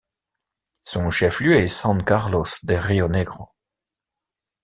Son chef-lieu est San Carlos de Río Negro.